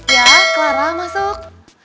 ya clara masuk